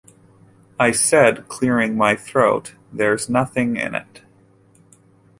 I said, clearing my throat, 'there's nothing in it.'